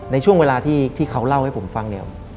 ในช่วงเวลาที่เขาเล่าให้มาฟัง